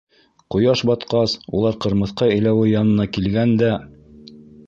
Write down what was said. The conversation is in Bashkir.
Ҡояш батҡас улар ҡырмыҫҡа иләүе янына килгән дә: